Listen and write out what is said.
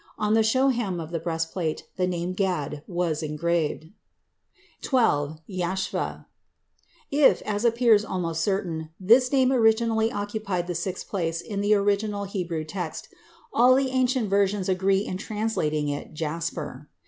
On the shoham of the breastplate the name Gad was engraved. XII. Yashpheh. [יָשְׁפֶה.] If, as appears almost certain, this name originally occupied the sixth place in the original Hebrew text, all the ancient versions agree in translating it "jasper."